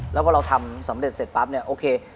แล้วก็เราทำสำเร็จเสร็จปั๊บเนี่ยโอเค